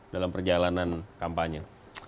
dalam perjalanan kampanye